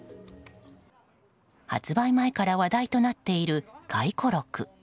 発売前から話題となっている回顧録。